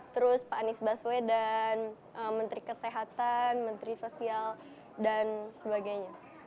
terus pak anies baswedan menteri kesehatan menteri sosial dan sebagainya